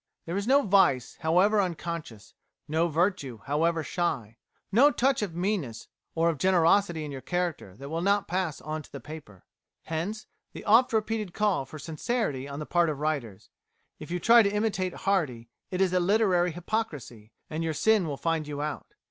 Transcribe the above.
There is no vice, however unconscious, no virtue, however shy, no touch of meanness or of generosity in your character that will not pass on to paper." Hence the oft repeated call for sincerity on the part of writers. If you try to imitate Hardy it is a literary hypocrisy, and your sin will find you out.